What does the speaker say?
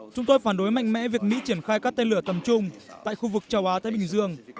chúng tôi phản đối mạnh mẽ việc mỹ triển khai các tên lửa tầm trung tại khu vực châu á thái bình dương